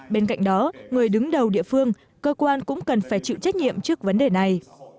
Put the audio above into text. bên cạnh đó người đứng đầu địa phương cơ quan cũng cần phải chịu trách nhiệm trước vấn đề này